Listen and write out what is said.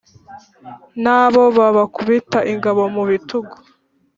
Nabo babakubita ingabo mu bitugu